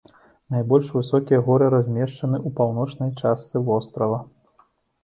Найбольш высокія горы размешчаны ў паўночнай частцы вострава.